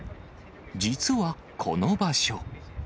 実はこの場所。